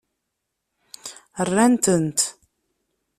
Rnant-tent.